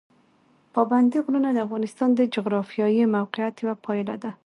پابندي غرونه د افغانستان د جغرافیایي موقیعت یوه پایله ده.